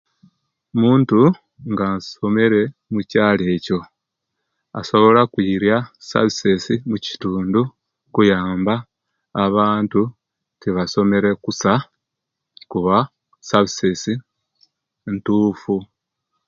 Muntu nga asomere omukyalo ekyo asobola okwirya esavisezi omukitundu okuyamba abantu etebasomele kusa kuba esavisezi ntuufu.